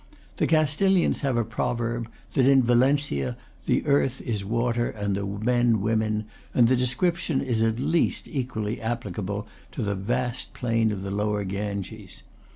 The Castilians have a proverb, that in Valencia the earth is water and the men women; and the description is at least equally applicable to the vast plain of the Lower Ganges.